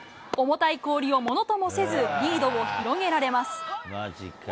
重たい氷をものともせず、リードを広げられます。